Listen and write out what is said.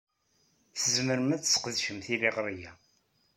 Tzemrem ad tesqedcem tiliɣri-a.